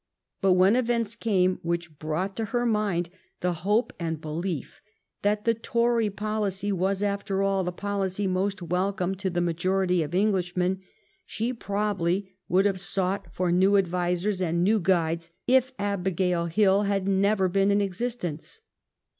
But when events came which brought to her mind the hope and belief that the Tory policy was, after all, the policy most welcome to the majority of Englishmen, she probably would have sought for new advisers and new guides if Abigail Hill had never been in existence.